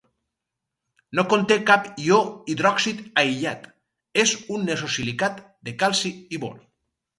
No conté cap ió hidròxid aïllat, és un nesosilicat de calci i bor.